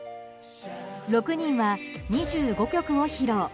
６人は２５曲を披露。